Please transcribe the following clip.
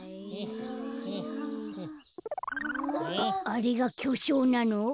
あれがきょしょうなの？